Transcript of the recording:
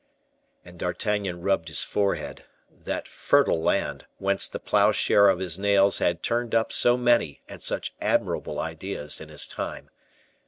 And D'Artagnan rubbed his forehead that fertile land, whence the plowshare of his nails had turned up so many and such admirable ideas in his time.